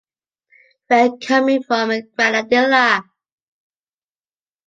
We are coming from Granadella.